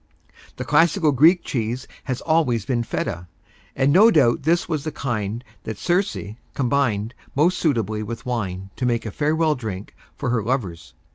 The classical Greek cheese has always been Feta, and no doubt this was the kind that Circe combined most suitably with wine to make a farewell drink for her lovers.